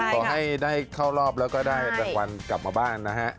ขอให้ได้เข้ารอบแล้วก็ได้รางวัลกลับมาบ้านนะฮะ